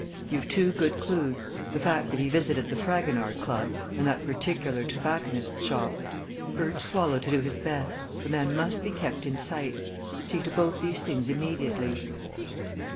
You've two good clues the fact that he visited the Fragonard Club and that particular tobacconist's shop. Urge Swallow to do his best the man must be kept in sight. See to both these things immediately."